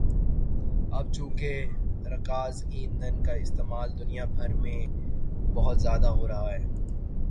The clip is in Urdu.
اب چونکہ رکاز ایندھن کا استعمال دنیا بھر میں بہت زیادہ ہورہا ہے